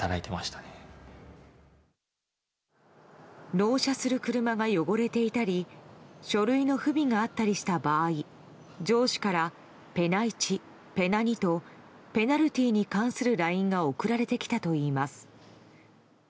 納車する車が汚れていたり書類の不備があったりした場合上司からペナ１、ペナ２とペナルティーに関するＬＩＮＥが送られてきたといいます。